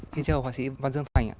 xin chào họa sĩ văn dương phành